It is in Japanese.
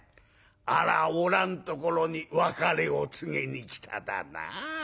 あらあおらんところに別れを告げに来ただな。